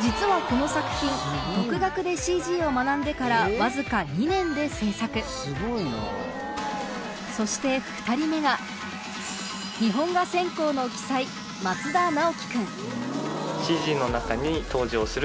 実はこの作品独学でＣＧを学んでからわずか２年で制作そして２人目が日本画専攻のと思ったら。